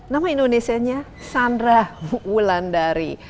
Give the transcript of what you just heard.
nama indonesia nya sandra wulandari